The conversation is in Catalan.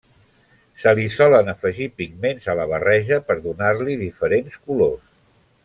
Se li solen afegir pigments a la barreja per donar-li diferents colors.